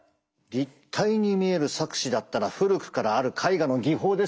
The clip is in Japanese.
立体に見える錯視だったら古くからある絵画の技法ですよ。